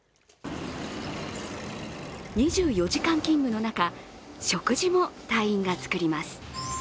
２４時間勤務の中、食事も隊員が作ります。